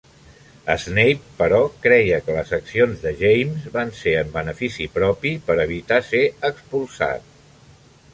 Snape, però, creia que les accions de James van ser en benefici propi per evitar ser expulsat.